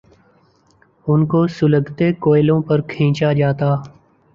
ان کو سلگتے کوئلوں پہ کھینچا جاتا۔